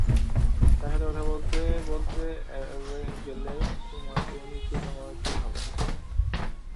তার সাথে কথা বলতে বলতে এভাবে গেলে আমার পরিণতিও তার মতোই হতো।